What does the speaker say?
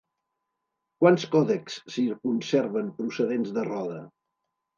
Quants còdexs s'hi conserven procedents de Roda?